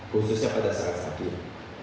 khususnya pada saat saat ini